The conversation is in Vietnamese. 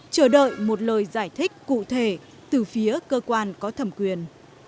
chờ đợi một lời giải thích cụ thể từ phía cơ quan có thẩm quyền